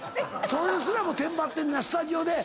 それすらテンパってるんだスタジオで。